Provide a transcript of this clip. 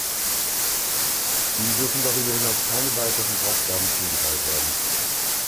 Ihm dürfen darüber hinaus keine weiteren Aufgaben zugeteilt werden.